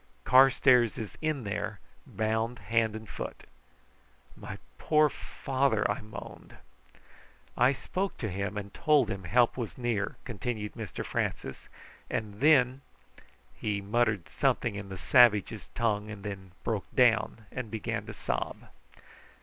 Carstairs is in there, bound hand and foot." "My poor father!" I moaned. "I spoke to him and told him help was near," continued Mr Francis; "and then " He muttered something in the savages' tongue, and then broke down and began to sob.